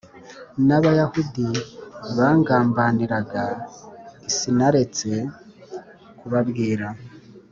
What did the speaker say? n Abayahudi bangambaniraga i Sinaretse kubabwira